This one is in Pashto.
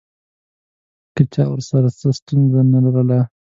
که چا ورسره څه ستونزه نه لرله.